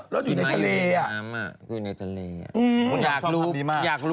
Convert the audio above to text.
แล้วติดในทะเลอะ